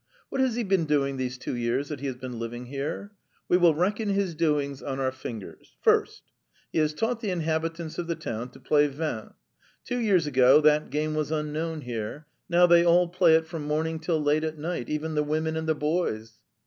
What has he been doing these two years that he has been living here? We will reckon his doings on our fingers. First, he has taught the inhabitants of the town to play vint: two years ago that game was unknown here; now they all play it from morning till late at night, even the women and the boys.